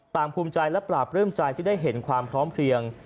ภูมิใจและปราบปลื้มใจที่ได้เห็นความพร้อมเพลียง